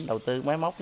đầu tư máy móc